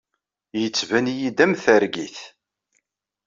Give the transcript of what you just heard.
Yettban-iyi-d am targit.